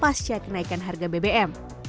pas cek kenaikan harga bbm